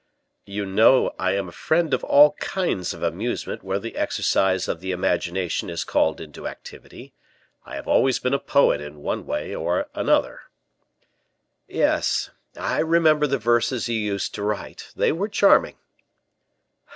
"You know I am a friend of all kinds of amusement where the exercise of the imagination is called into activity; I have always been a poet in one way or another." "Yes, I remember the verses you used to write, they were charming."